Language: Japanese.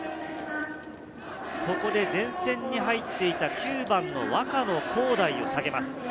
前線に入っていた９番・若野晃大を下げます。